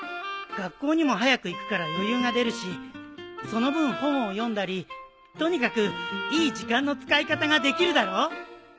学校にも早く行くから余裕が出るしその分本を読んだりとにかくいい時間の使い方ができるだろう？